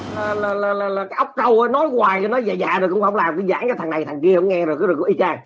là cái ốc trâu nói hoài cho nó dạ dạ rồi cũng không làm cứ giảng cho thằng này thằng kia không nghe rồi cứ đừng có ý chàng